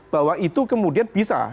bahwa itu kemudian bisa